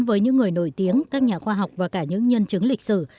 với những người nổi tiếng các nhà khoa học và cả những nhân chứng lịch sử